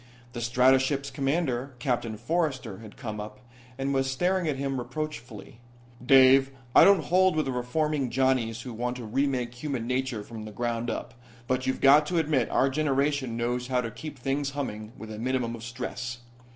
The stratoship's commander, Captain Forrester, had come up, and was staring at him reproachfully. "Dave, I don't hold with the reforming Johnnies who want to re make human nature from the ground up. But you've got to admit our generation knows how to keep things humming with a minimum of stress.